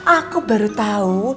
aku baru tahu